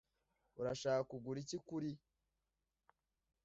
Urashaka kugura iki kuri ?